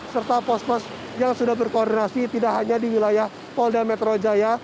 serta pos pos yang sudah berkoordinasi tidak hanya di wilayah polda metro jaya